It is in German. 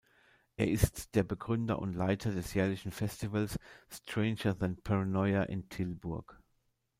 Er ist der Begründer und Leiter des jährlichen Festivals „Stranger than Paranoia“ in Tilburg.